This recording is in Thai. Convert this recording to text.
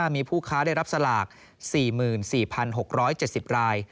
มีผู้ค้าได้รับสลาก๔๔๖๗๐ราย